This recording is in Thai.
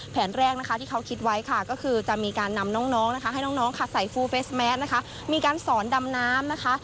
แผนแรกนะคะที่เขาคิดไว้ค่ะก็คือจะมีการนำน้องนะคะให้น้องค่ะใส่ฟูเฟสแมสนะคะมีการสอนดำน้ำนะคะ